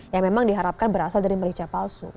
yang memang diharapkan berasal dari merica palsu